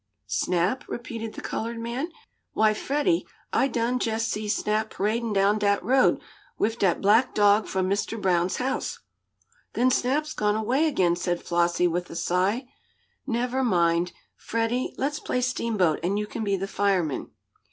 "Snap?" repeated the colored man. "Why, Freddie, I done jest see Snap paradin' down de road wif dat black dog from Mr. Brown's house." "Then Snap's gone away again," said Flossie with a sigh. "Never mind, Freddie. Let's play steamboat, and you can be the fireman."